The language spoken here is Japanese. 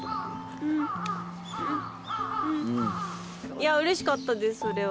いやうれしかったですそれは。